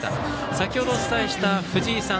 先ほどお伝えした藤井さん